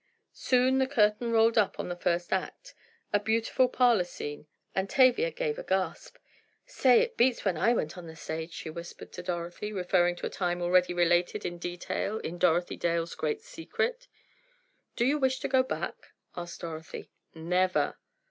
Soon the curtain rolled up on the first act, a beautiful parlor scene, and Tavia gave a gasp. "Say, it beats when I went on the stage," she whispered to Dorothy, referring to a time already related in detail in "Dorothy Dale's Great Secret." "Do you wish to go back?" asked Dorothy. "Never!"